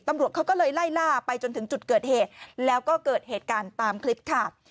ตำรวจเขาก็เลยไล่ล่าไปจนถึงจุดเกิดเหตุแล้วก็เกิดเหตุการณ์ตามคลิปค่ะ